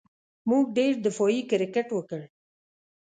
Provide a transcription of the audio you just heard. موږ ډېر دفاعي کرېکټ وکړ.